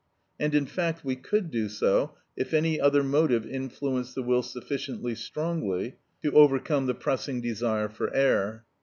And in fact we could do so if any other motive influenced the will sufficiently strongly to overcome the pressing desire for air.